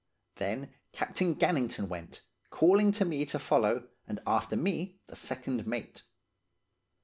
Then Captain Gannington went, calling to me to follow, and after me the second mate.